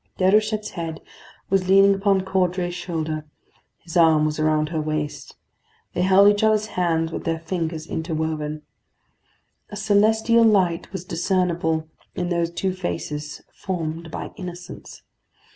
Déruchette's head was leaning upon Caudray's shoulder; his arm was around her waist; they held each other's hands with their fingers interwoven. A celestial light was discernible in those two faces formed by innocence.